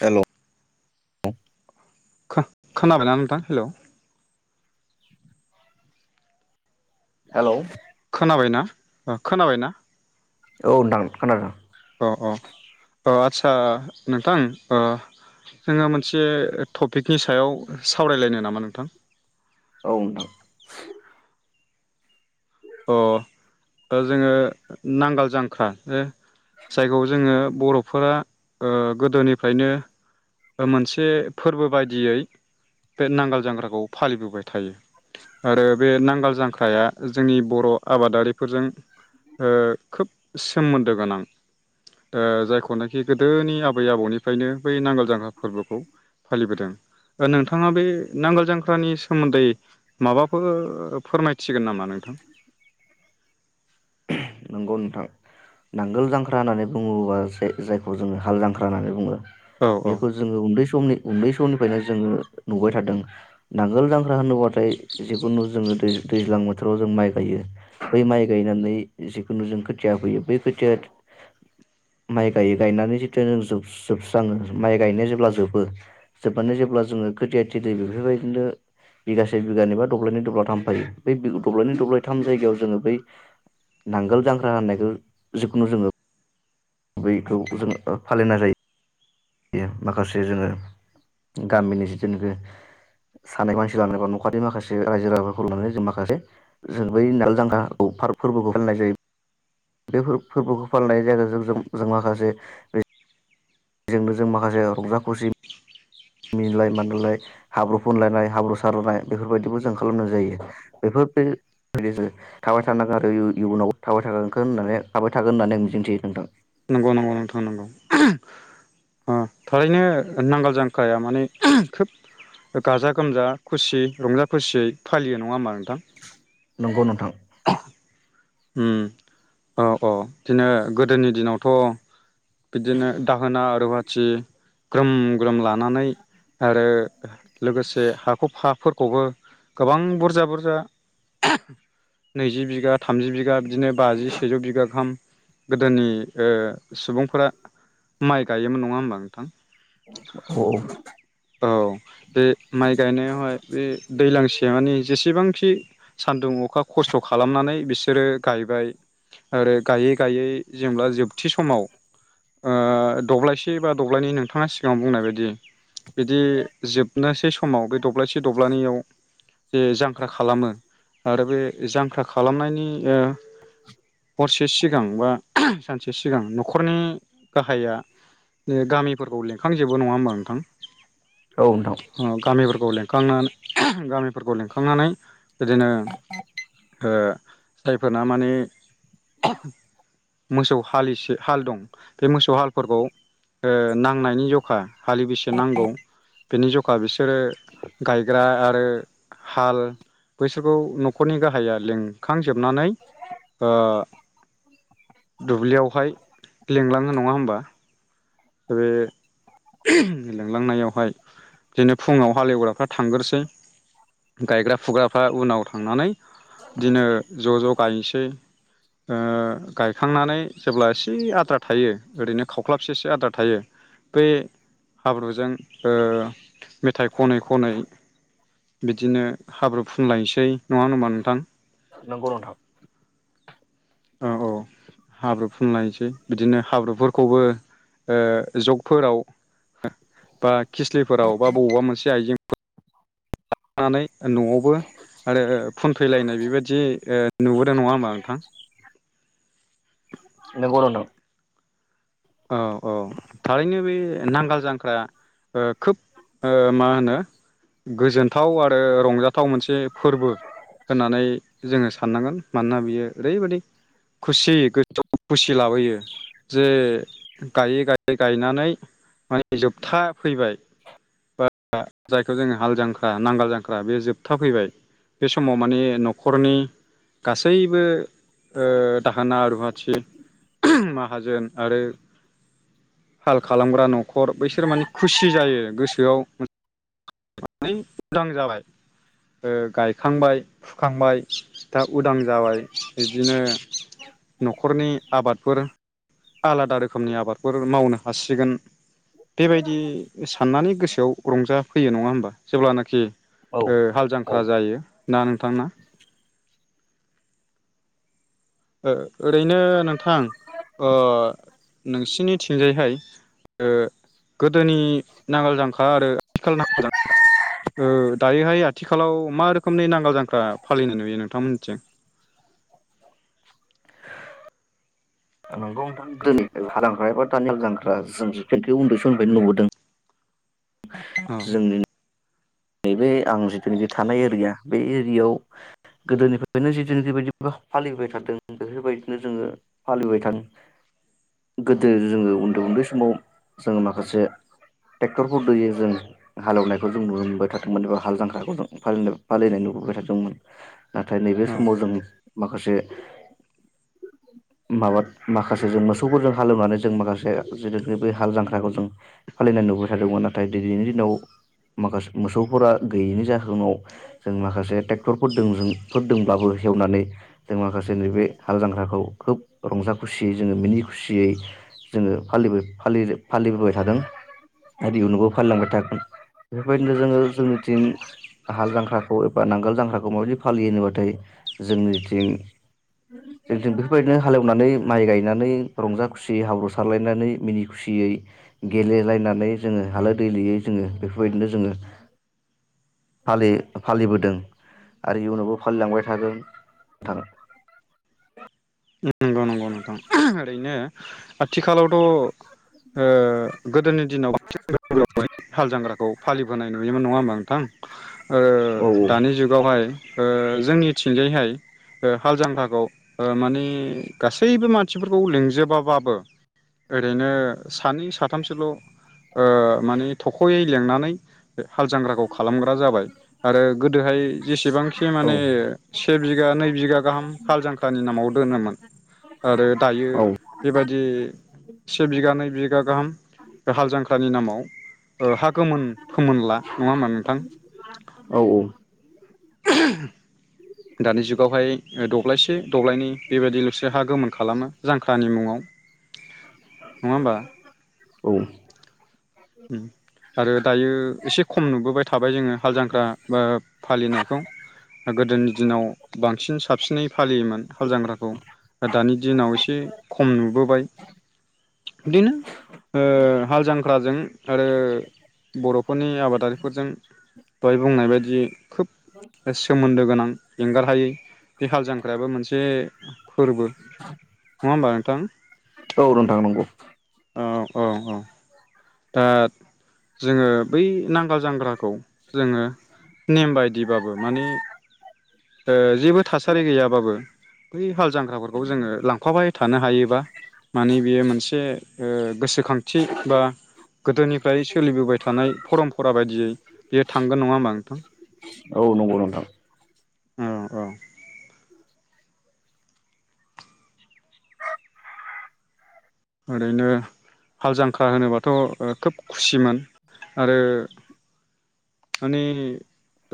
हेल'। खो खोनाबायना नोंथां हेल'। हेल'। खोनाबायना ओ खोनाबायना। औ नोथां खोनादों। अ अ आचसा नोंथां ओ जोङो मोनसे टपिकनि सायाव। सावरायलायनो नामा नोंथां? औ नोंथां अ जोङो नांगाल जांख्रा । जायखौ जोङो। बर'फोरा ओ गोदोनिफ्रायनो मोनसे फोरबो बायदियै बे नांगाल जांख्राखौ फालिबोबाय थायो आरो बे नांगाल जांख्राया। जोंनि बर' आबादारिफोरजों। ओ खोब। सोमोन्दो गोनां ओ जायखौनाखि गोदोनि आबै आबौनिफ्रायनो बै नांगोल जांख्रा फोरबोखौ फालिबोदों नोंथाङा बे नांगोल जांख्रानि सोमोन्दै माबाफोर फोरमायथिगोन नामा नों? थ। नंगौ नोंथां नांगोल जांख्रा होननानै बुङोबा जे जायखौ जोङो हाल जांख्रा होननानै बुङो। औ औ बेखौ जोङो उन्दै स समनि उन्दै समनिफ्रायनो जोङो नुबाय थादों नांगोल दांख्रा होनोब्लाथाय जिखुनु जोङो दै दैज्लां बोथोराव जों माइ गायो बै माइ गायनानै। जिखुनु जों खोथिया फैयो बै खोथिया माइ गायो गायनानै जिथु जों जोबस्राङो माइ गायनाया जेब्ला जोबो जोबनानै जेब्ला जोङो खोथिया थ दै बेफोरबायदिनो बिगासे बिगानै बा दब्लायनि दब्लाय थामफायो ब दब्लायनि दब्लाय थाम जायगायाव जोङो बै। नांगोल जांख्रा होननायखौ जिखुनु जोङो। बैखौ जों फालिनाय जायो। बि माखासे जोङो गामिनि जिथुनाखि सानै मानसि लानानै बा न'खरनि माखासे रायजो राजाफोरखौ लानानै जों माखासे जों बै नार जांख्राखौ फोरबोखौ फालिनाय जायो। बेफोर फोरबोखौ फालिनाय जायग जों जों जों माखासे। जजोंनो जों माखासे रंजा खुसि मिलाय मानलाय हाब्रु फुनलायनाय हाब्रु सारलायनाय बेफोरबायदिबो जों खालामनाय जायो बेफोर बेबायदि थाबाय थानांगोन आरो इयुनाव थाबाय थागोन होननानै थाबाय थागोन होननानै आं मिजिंथियो नोंथां। नंगौ नंगौथगौ थारैनो नांगाल जांख्राया माने खोब गाजा गोमजा खुसियै रंजा खुसियै फालियो नङाहोमबा नोंथां। नंगौ नोंथां। ओम औ औ बिदिनो गोदोनि दिनावथ'। बिदिनो दाहोना रुवाथि ग्रोम। ग्रोम लानानै आरो। आरो। लोगोसे हाखौ हाफोर। खौबो गोबां बुरजा बुरजा नैजि बिघा। थामजि बिगा बिदिनो बाजि सेजौ बिगा गाहाम। गोदोनि ओ सुबुं। फोरा माइ गायोमोन नङा होमबा नोंथां औ औ बे माइ गायनायावहाय बे दैलां सि मानानि जेसेबांखि सान्दुं अखा खस्थ' खालामनानै बिसोरो गायबाय आरो गायै गायै जिंब्ला जोबथि समाव ओ दब्लायसे बा दब्लायनै नोंथाङा सिगाङाव बुंनाय बायदि बिदि जोबनोसै समाव बे दब्लायसे दब्लनैयाव जा-जांख्रा खालामो आरो बे जांख्रा खालामनायनि हरसे बे सिगां बा सानसे सिगां न' न'खरनि गाहाया गामिफोरखौ लेंखांजोबो नङा होमबा नोंथां औ नोंथां अ गामिफोर खौ लिंखांनानै गामि फोरफोरखौ लिंखांनानै बिदिनो ओ जायफोरना माने मोसौ हालिसे हाल दं बे मोसौ हालफोरखौ ओ नांनायनि जखा हलिबैसे नांगौ बेनि जखा बिसोरो गायग्रा आरो हाल बैसोरखौ न'खरनि गाहाया लिंखांजोब नानै ओ दुब्लियावहाय सोंलांङो नंङा होमबा? बे लिंलांनायावहाय बिदिनो फुंङाव हालेवग्राफ्रा थांग्रोसै गायग्रा-फुग्राफ्रा उनाव थांनानै बिदिनो ज' ज' गायनोसै ओ गायखांनानै जेब्ला एसे आद्रा थायो ओरैनो खावख्लाबसे एसे आद्रा थायो बै हाब्रुजों ओ मेथाइ खनै-खनै बिदिनो हाब्रु फुनलायसै नंङा होमबा नोंथां? नंगौ नोंथां औ औ हाब्रु फुनलायसै बिदिनो हाब्रुफोरखौबो ओ जगफोराव बा खिस्लिफोराव बा बबेब मोनसे आजें लानानै न'आवबो आरो फुनफैलायनाय बेबायदि ओ नुबोदों नंङा होमबा नोंथां? नोंगौ नोंथां। औ-औ थारैनो बे नांगाल जांख्रा ओ खोब ओ मा होनो? गोजोनथाव आरो रंजाथाव मोनसे जे फोरबो होननानै जोंङो साननांगोन मानोना बियो ओरैबायदि खुसि [unintelligible] खुसि लाबोयो जे गायै गायै गायनानै माने जोबथा फैबाय बा जायखौ जोंङो हाल जांख्रा नांगाल जांख्रा बे जोबथा फैबाय बे समाव माने न'खरनि गासैबो ओ दाहोना रुवाथि माहाजोन आरो हाल खालामग्रा न'खर बैसोर माने खुसि जायो गोसोआव [unintelligible] उदां जाबाय। ओ गायखांबाय फुखांबाय दा उदां जाबाय बिदिनो न'खरनि आबादफोर आलादा रोखोमनि आबादफोर मावनो हासिगोन बेबायदि साननानै गोसोआव रंजा फैयो नंङा होमबा? जेब्लानाखि औ हाल औ जांख्रा जायो ना नोंथां ना? ओ-ओरैनो नों थां ओ नोंसिनिथिंजायहाय ओ गोदोनि नांगाल जांखा आरो आथिखाल नांगाल जांखा ओ दायोहाय आथिखालाव मा रोखोम खोमनि नांगाल जांख्रा फालिनाय नुयो नोंथांमोन थिं? नंगौ नोंथां दिनै हालजांख्रा एबा दानि हालजांख्रा जों जिखो उन्दै समनिफ्रायनो नुबोदों। औ। जोंनि नैबे आं जिथुनिखि थानाय एरिया बे एरियायाव गोदोनिफ्रायनो जिथुनिखिबायदि फालिबाय थादों बेफोरबायदिनो जोंङो फालिबाय थादों। गोदो जोंङो उन्दै उन्दै समाव जोंङो माखासे ट्रेक्टरफोर जयै जों हालेवनायखौ जों नुनो मोनबाय थादोंमोन एबा हाल जांख्राखौ जों फालिनो फालिनाय नुबोबाय थादोंमोन। नाथाय नैबे औ समाव जों माखासे माबा माखासे जों मोसौफोरजों हालौनानै जों माखासे जितुनिखि बे हाल जांख्राखौ जों फालिनाय नुबोबाय थादोंमोन। नाथाय दिनैनि दिनाव माखासे मोसौफोरा गैयैनि जाहोनाव जों माखासे ट्रेक्टरफोरदों जों फोर दोंब्लाबो हेवनानै जों माखासे नैबे हाल जांख्राखौ खोब रंजा खुसियै जोङो मिनि खुसियै जोङो फालिबो-फालि-फालिबोबाय थादों। आरो इयुनावबो फालिलांबाय थागोन। बेफोरबायद नो जोङो जोंनिथिं हाल जांख्राखौ एबा नांगोल जांख्राखौ माबायदि फालियो होनोबाथाय जोंनिथिं जोंथिं बेफोरबायदिनो हालेवनानै माइ गायनानै रंजा खुसियै हाब्रु सारलायनानै मिनि खुसियै गेलेलायनानै जोङो हालो दैलोयै जोङो बेफोरबायदिनो जोङो [inaudible] फालि-फालिबोदों आरो इयुनावबो फालिलांबाय थागोन थागोन। नंगौ नंगौ नोंथां। ओरैनो आथिखालावथ' ओ गोदोनि दिनाव [unintelligible] हाल जांग्राखौ फालिबोनाय नुयोमोन नङा होमबा नोंथां? ओ औ दानि जुगावहाय ओ जोंनिथिंजायहाय ओ हालजांख्राखौ ओ माने ने गासैबो मानसिफोरखौ लिंजोबाबाबो ओरैनो सानै साथामसोल' ओ माने थख'यै लिंनानै हाल जांख्राखौ खालामग्रा जाबाय आरो गोदोहाय जेसेबांखि औ माने से बिगा नै बिगा गाहाम हाल जांख्रानि नामाव दोनोमोन। आरो दायो औ बेबायदि से बिगा नै बिगा गाहाम बे हाल जांख्रानि नामाव ओ हा गोमोन फोमोनला नङा होमबा नोंथां? औ [inaudible] दानि जुगावहाय दब्लायसे दब्लायनै बेबायदिल'सो हा गोमोन खालामो जांख्रानि मुङाव। नङा होमबा? औ। उमआरो दायो एसे खम नुबोबाय थाबाय जोङो हाल जांख्रा बा फालिनायखौ गोदोनि दिनाव बांसिन साबसिनै फालियोमोन हाल जांग्राखौ दानि दिनाव एसे खम नुबोबाय। बिदिनो ओ हाल जांख्राजों आरो बर'फोरनि आबादारिफोरजों दहाय बुंनाय बायदि खोब सोमोन्दो गोनां एंगार हायै बे हाल जांख्रायाबो मोनसे फोरबो नङा होमबा नोंथां? औ नोंथां नंगौ। औ औ औ। दा जोङो बै नांगोल जांग्राखौ जोङो नेम बायदिबाबो माने ओ जेबो थासारि गैयाबाबो [unintelligible] हाल जांगग्राफोरखौ जोङो लांफाबाय थानो हायोबा माने बियो मोनसे ओ गोसो खांथि बा गोदोनिफ्राय सोलिबोबाय थानाय फरमपरा बायदियै बियो थांगोन नङा होमबा नोंथां? औ नंगौ नोंथां ओ औ ओरैनो हाल जांख्रा होनोबाथ' खोब खुसिमोन आरो माने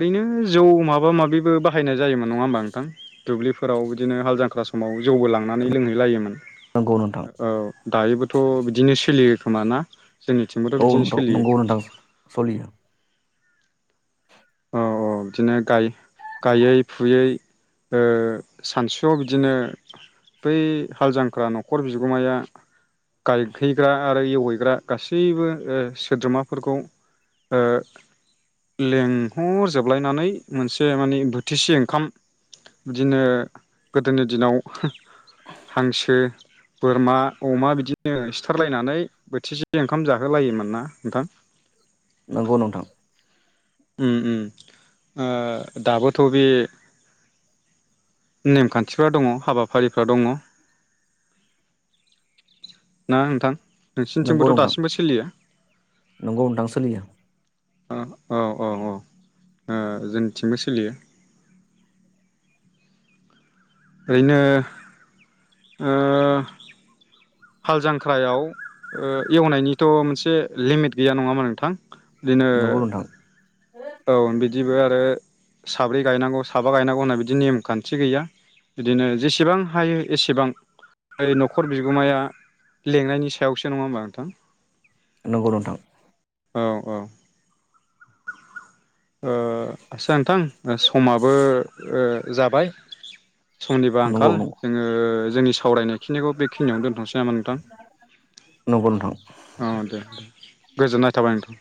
ओरैनो जौ माबा माबिबो बाहायनाय जायोमोन नङा होमबा नोंथां दुब्लिफोराव बिदिनो हाल जांख्रा समाव जौबो लांनानै लोंहैलायोमोन। नंगौ नोंथां। औ दायोबोथ' बिदिनो सोलियो खोमाना। औ नोंथाव नोंगौ नोंथां सलियो। औ औ बिदिनो गाय-गायै फुयै ओ सानसुआव बिदिनो बै हाल जांख्रा न'खर बिगोमाया गायहैग्रा आरो एवहैग्रा गासैबो ओ सोद्रोमाफोरखौ ओ लें हरजोबलायनानै मोनसे माने बोथिसे ओंखाम बिदिनो गोदोनि दिनाव हांसो बोरमा अमा बिदिनो सिथारलायनानै बोथिसे ओंखाम जाहोलायोमोन ना नोंथां। नंगौ नोंथां। उम उम ओ दाबोथ' बे नेमखान्थिफ्रा दङ हाबाफारिफ्रा दङ ना नोंथां। नंगौ नोंसिनिथिंबोथ' नोंथां दासिमबो सोलियो। नंगौ नोंथां सोलियो औ औ औ ओ जोंथिंबो सोलियो ओरैनो ओ हाल जांख्रायाव ओ एवनायनिथ मोनसे लिमिट गैया नङामा नोंथां दिनो नंगौ नोंथां बिबो आरो साब्रै गायनांगौ साबा गायनांगौ होनना बिदि नेमखान्थि गैया बिदिनो जेसेबां हायो एसेबां ओ नखर बिगोमाया लेंनायनि सायावसो नङा होमबा नोंथां। नंगौ नोंथां। औ औ ओ आच्छा नोंथां समाबो ओ जाबाय समनिबो नंगौ आंखाल नंगौ जोङो जोंनि सावरायनाय खिनिखौ बेखिनियावनो दोनथनोसै नामा नोंथां नंगौ नोंथां औ दे दे गोजोननाय थाबाय नोंथां।